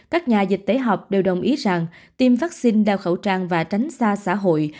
các nhà dịch tế học đều đồng ý rằng tiêm vaccine đeo khẩu trang và tránh xa xã hội